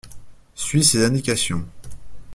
Suis ses indications.